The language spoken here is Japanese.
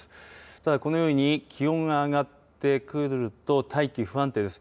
ただ、このように気温が上がってくると、大気、不安定です。